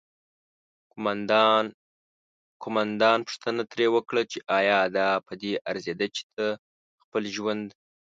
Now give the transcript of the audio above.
قوماندان پوښتنه ترې وکړه چې آیا دا پدې ارزیده چې ته خپل ژوند